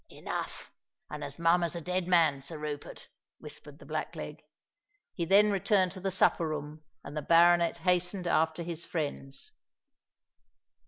"Enough—and as mum as a dead man, Sir Rupert," whispered the black leg. He then returned to the supper room; and the baronet hastened after his friends.